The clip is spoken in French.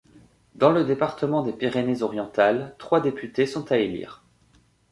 Dans le département des Pyrénées-Orientales, trois députés sont à élire.